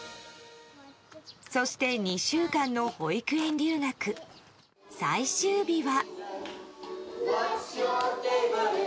そして２週間の保育園留学最終日は。